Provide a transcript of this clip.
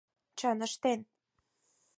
Чын ыштен.